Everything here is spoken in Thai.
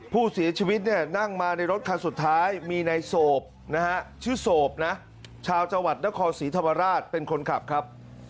ผู้เสียชีวิตเนี่ยนั่งมาในรถคันสุดท้ายมีนายโสบนะฮะชื่อโสบนะชาวจังหวัดนครศรีธรรมราชเป็นคนขับครับ